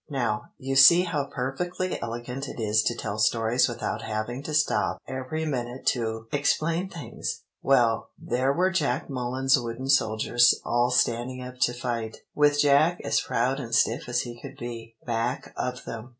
"Now, you see how perfectly elegant it is to tell stories without having to stop every minute to explain things. Well, and there were Jack Mullen's wooden soldiers all standing up to fight, with Jack as proud and stiff as he could be, back of them.